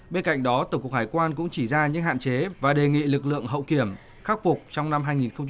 bên cạnh đó tổng cục hải quan cũng chỉ ra những hạn chế và đề nghị lực lượng hậu kiểm khắc phục trong năm hai nghìn hai mươi